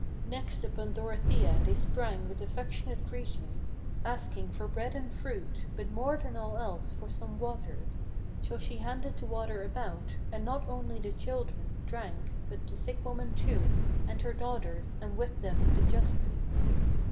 Next upon Dorothea they sprang with affectionate greeting, Asking for bread and fruit, but more than all else for some water. So then she handed the water about; and not only the children Drank, but the sick woman too, and her daughters, and with them the justice.